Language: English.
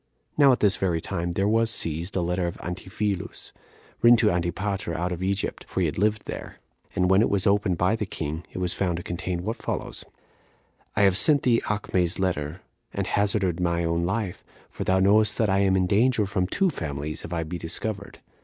Now at this very time there was seized a letter of Antiphilus, written to Antipater out of Egypt [for he lived there]; and when it was opened by the king, it was found to contain what follows: "I have sent thee Acme's letter, and hazarded my own life; for thou knowest that I am in danger from two families, if I be discovered.